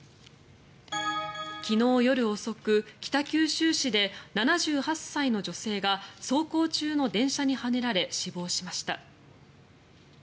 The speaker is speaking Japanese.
昨日夜遅く、北九州市で７８歳の女性が走行中の電車にはねられ死亡しました。